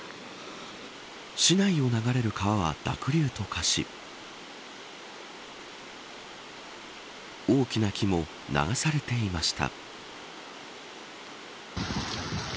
市内を流れる川は濁流と化し大きな木も流されていました